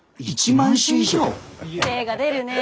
精が出るねえ。